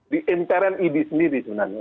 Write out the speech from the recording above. di intern idi sendiri sebenarnya